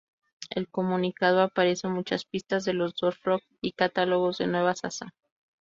El comunicado aparece muchas pistas de los dos Rock y catálogos de nuevo Zaza.